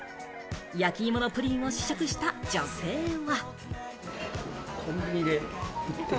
焼き芋のプリンを試食した女性は。